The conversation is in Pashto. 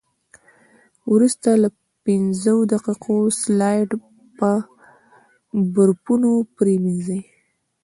وروسته له پنځو دقیقو سلایډ په بفرونو پرېمنځئ.